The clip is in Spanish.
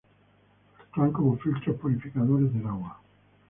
Actúan como filtros purificadores del agua.